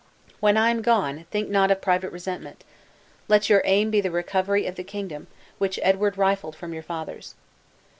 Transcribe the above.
When I am gone, think not of private resentment. Let your aim be the recovery of the kingdom, which Edward rifled from your fathers.